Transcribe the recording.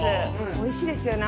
おいしいですよね